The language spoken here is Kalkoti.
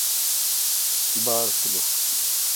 باڑسولح۔